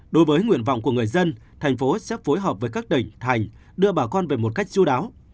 đối với nguyện vọng của người dân thành phố sẽ phối hợp với các tỉnh thành đưa bà con về một cách chú đáo